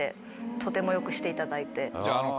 とてもよくしていただいて。